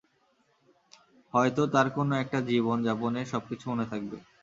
হয়তো তার কোন একটা জীবন, যাপনের সবকিছু মনে থাকবে।